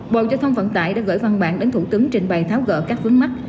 bộ giao thông vận tải đã gửi văn bản đến thủ tướng trình bày tháo gỡ các vấn mắc